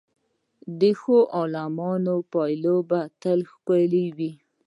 د ښو عملونو پایله تل ښکلې وي.